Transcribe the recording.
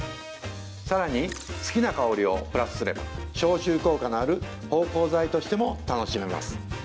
さらに好きな香りをプラスすれば消臭効果のある芳香剤としても楽しめます